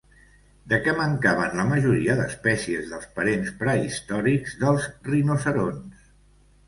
De què mancaven la majoria d'espècies dels parents prehistòrics dels rinoceronts?